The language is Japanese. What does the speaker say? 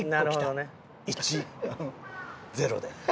１？０で。